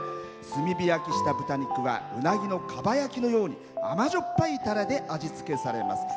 炭火焼きした豚肉はうなぎのかば焼きのように甘じょっぱいたれで味付けされます。